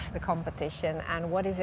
tentang perbincangan ini